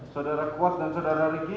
saudara kuat dan saudara ricky